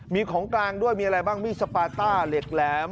มีของกลางด้วยมีอะไรบ้างมีดสปาต้าเหล็กแหลม